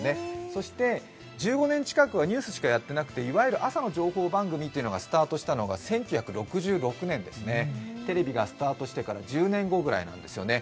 そして１５年近くはニュースしかやってなくていわゆる朝の情報番組というのがスタートしたのが１９６６年ですね、テレビがスタートしてから１０年後ぐらいんなんですね。